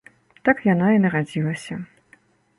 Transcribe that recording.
Так яна і нарадзілася.